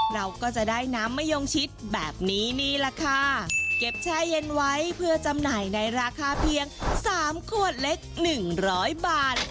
เราก็จะได้น้ำมะยงชิดแบบนี้นี่แหละค่ะเก็บแช่เย็นไว้เพื่อจำหน่ายในราคาเพียงสามขวดเล็กหนึ่งร้อยบาท